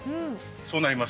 そうなります。